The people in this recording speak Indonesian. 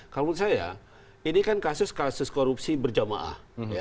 kalau menurut saya ini kan kasus kasus korupsi berjamaah